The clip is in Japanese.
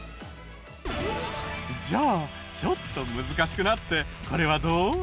じゃあちょっと難しくなってこれはどう？